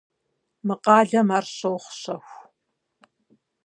Мы къалэм ар щохъу щэху.